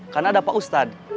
karena ada pak ustad